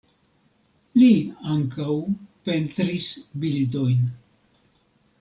Li ankaŭ pentris bildojn.